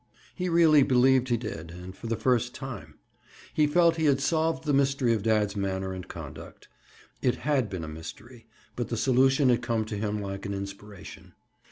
He really believed he did—and for the first time. He felt he had solved the mystery of dad's manner and conduct. It had been a mystery, but the solution had come to him like an inspiration.